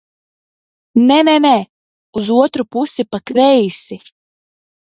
Nē, nē, nē uz otru pusi pa kreisi!